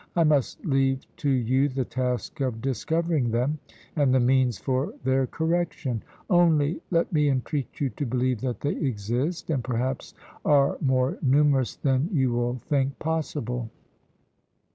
I must leave to you the task of discovering them, and the means for their correction; only let me entreat you to believe that they exist, and perhaps are more numerous than you will think possible."